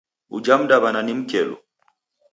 Uja mdaw'ana ni mkelu!